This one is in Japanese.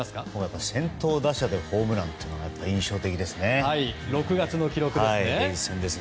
先頭打者でホームランというのが６月の記録ですね。